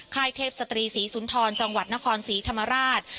เทพสตรีศรีสุนทรจังหวัดนครศรีธรรมราช